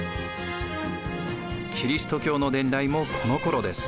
キリスト教の伝来もこのころです。